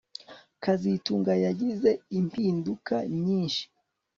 kazitunga yagize impinduka nyinshi